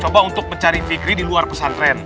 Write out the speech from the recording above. coba untuk mencari fikri di luar pesantren